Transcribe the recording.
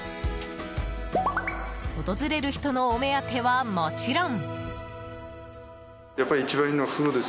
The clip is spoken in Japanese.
訪れる人のお目当てはもちろん。